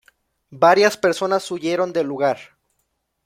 Varias personas huyeron del lugar.